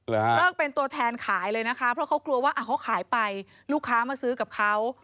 เลิกเป็นตัวแทนขายเลยนะคะเพราะเขากลัวว่าเขาขายไปลูกค้ามาซื้อกับเขา